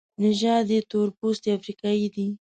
نژاد یې تورپوستی افریقایی دی.